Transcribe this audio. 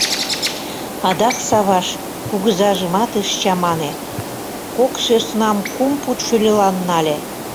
Адак Саваш кугызажымат ыш чамане: кок сӧснам кум пуд шӱльылан нале...